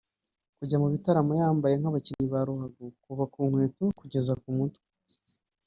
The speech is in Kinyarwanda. Kujya mu bitaramo yambaye nk’abakinnyi ba ruhago kuva ku nkweto kugeza ku mutwe